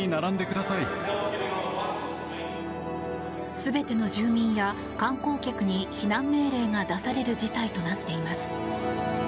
全ての住民や観光客に避難命令が出される事態となっています。